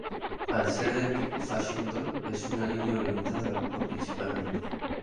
Al ser del tipo "Fashion Doll", es una línea orientada a la ropa principalmente.